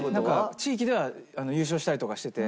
地域では優勝したりとかしてて。